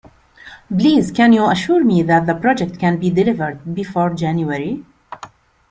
Please can you assure me that the project can be delivered before January?